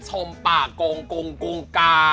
ชมป่าคงกรุ่งกรุ่งการ